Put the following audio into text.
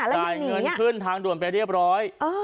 จ่ายเงินขึ้นทางด่วนไปเรียบร้อย